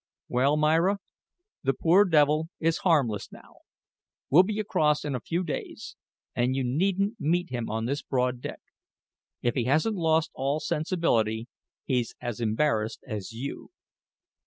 "Well, Myra, the poor devil is harmless now. We'll be across in a few days, and you needn't meet him on this broad deck. If he hasn't lost all sensibility, he's as embarrassed as you.